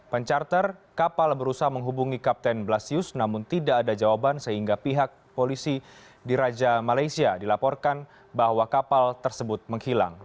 pencarter kapal berusaha menghubungi kapten blasius namun tidak ada jawaban sehingga pihak polisi di raja malaysia dilaporkan bahwa kapal tersebut menghilang